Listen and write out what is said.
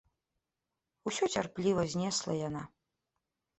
Усё цярпліва знесла яна.